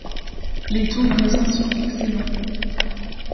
Les tons voisins sont excellents.